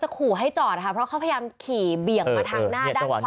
ขู่ให้จอดค่ะเพราะเขาพยายามขี่เบี่ยงมาทางหน้าด้านขวา